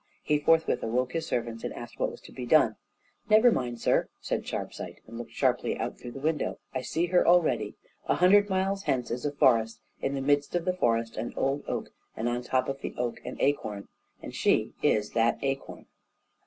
He forthwith awoke his servants, and asked what was to be done. "Never mind, sir," said Sharpsight, and looked sharply out through the window, "I see her already. A hundred miles hence is a forest, in the midst of the forest an old oak, and on the top of the oak an acorn, and she is that acorn."